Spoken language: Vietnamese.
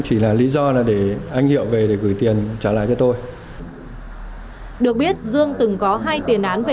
xin chào và hẹn gặp lại